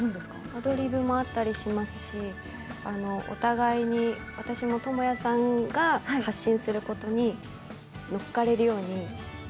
アドリブもあったりしますし、お互いに、私も倫也さんが発信することに乗っかれるように。